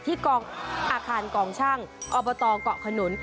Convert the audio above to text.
ที่กองอาคารกองช่างอบตเกาะขนุน